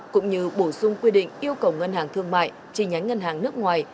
cũng như bổ sung quy định yêu cầu ngân hàng thương mại chi nhánh ngân hàng nước ngoài